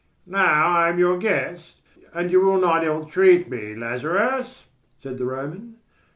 "Now I am your guest and you will not ill treat me, Lazarus!" said the Roman.